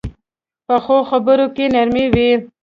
پخو خبرو کې نرمي وي